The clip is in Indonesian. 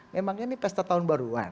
memang ini pesta tahun baruan